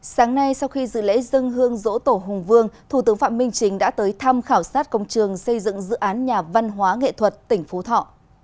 sáng nay sau khi dự lễ dân hương dỗ tổ hùng vương thủ tướng phạm minh chính đã tới thăm khảo sát công trường xây dựng dự án nhà văn hóa nghệ thuật tỉnh phú thọ